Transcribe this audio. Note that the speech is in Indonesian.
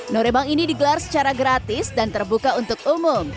norebang ini digelar secara gratis dan terbuka untuk umum